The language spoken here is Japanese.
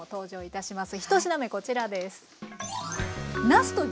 １品目こちらです。